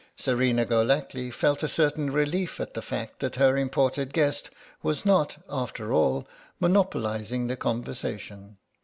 Serena Golackly felt a certain relief at the fact that her imported guest was not, after all, monopolising the conversation.